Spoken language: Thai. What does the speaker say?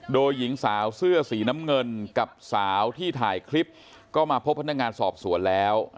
โดยหญิงสาวเสื้อสีน้ำเงินกับสาวที่ถ่ายคลิปก็มาพบพนักงานสอบสวนแล้ว